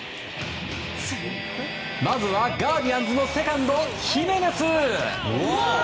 まずはガーディアンズのセカンドヒメネス。